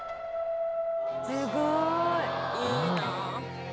すごい！いいなあ。